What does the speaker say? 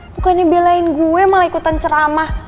pokoknya belain gue malah ikutan ceramah